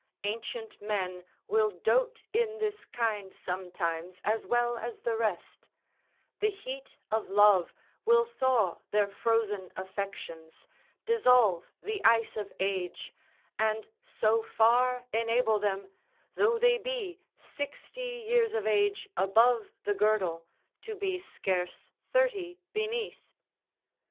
Ancient men will dote in this kind sometimes as well as the rest; the heat of love will thaw their frozen affections, dissolve the ice of age, and so far enable them, though they be sixty years of age above the girdle, to be scarce thirty beneath.